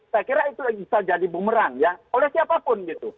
saya kira itu bisa jadi bumerang ya oleh siapapun gitu